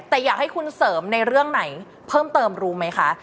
แต่อยากให้คุณเสริมในเรื่องไหนเพิ่มเติมรู้ไหมคะ